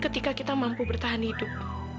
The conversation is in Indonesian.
ketika kita mampu bertahan hidup